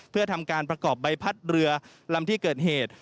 เพื่อทำการประกอบใบพัดเรือลำที่เกิดเหตุ